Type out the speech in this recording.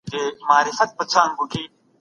په کابل کي د صنعت لپاره پرمختیايي پروژې څه دي؟